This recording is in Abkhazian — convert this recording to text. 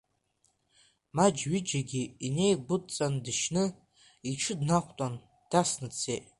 Маџь ҩыџьагьы инеигәыдҵан дышьны, иҽы днақәтәан, дасны дцеит.